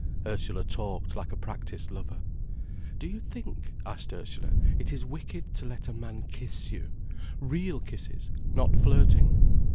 Ursula talked like a practiced lover. "Do you think," asked Ursula, "it is wicked to let a man kiss you—real kisses, not flirting?"